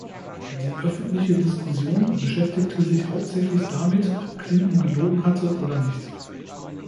Die öffentliche Diskussion beschäftigte sich hauptsächlich damit, ob Clinton gelogen hatte oder nicht.